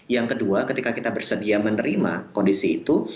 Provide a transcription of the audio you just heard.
yang kedua ketika kita bersedia menerima kondisi itu